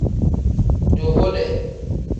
Duvude.